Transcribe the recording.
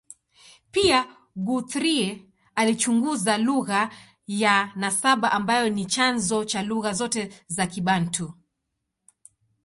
Pia, Guthrie alichunguza lugha ya nasaba ambayo ni chanzo cha lugha zote za Kibantu.